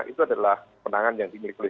itu adalah penangan yang dimiliki